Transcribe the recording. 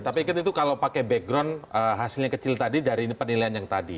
tapi kan itu kalau pakai background hasilnya kecil tadi dari penilaian yang tadi